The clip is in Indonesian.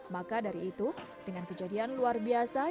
maka dari itu dengan kejadian luar biasa